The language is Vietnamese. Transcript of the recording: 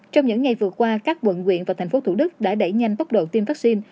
trong những ngày vừa qua các quận nguyện và tp hcm đã đẩy nhanh tốc độ tiêm vaccine